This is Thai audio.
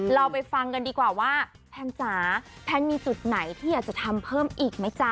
เราไปฟังกันดีกว่าว่าแพนจ๋าแพนมีจุดไหนที่อยากจะทำเพิ่มอีกไหมจ๊ะ